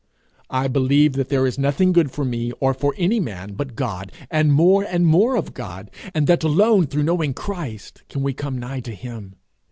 I believe that there is nothing good for me or for any man but God, and more and more of God, and that alone through knowing Christ can we come nigh to him.